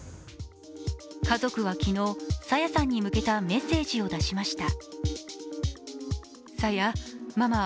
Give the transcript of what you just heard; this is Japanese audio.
家族は昨日、朝芽さんに向けたメッセージを出しました。